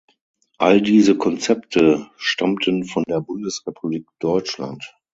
All diese Konzepte stammten von der Bundesrepublik Deutschland.